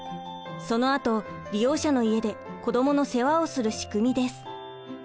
そのあと利用者の家で子どもの世話をする仕組みです。